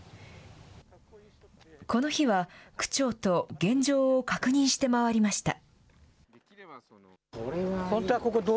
この日は、区長と現状を確認して回りました。